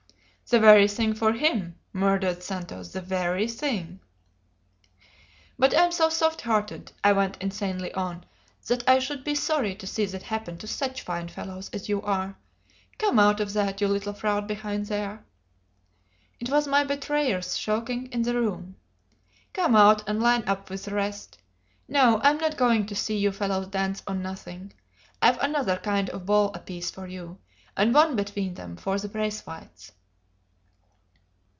"The very thing for him," murmured Santos. "The very theeng!" "But I'm so soft hearted," I went insanely on, "that I should be sorry to see that happen to such fine fellows as you are. Come out of that, you little fraud behind there!" It was my betrayer skulking in the room. "Come out and line up with the rest! No, I'm not going to see you fellows dance on nothing; I've another kind of ball apiece for you, and one between 'em for the Braithwaites!"